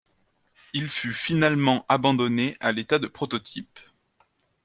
Il fut finalement abandonné à l'état de prototype.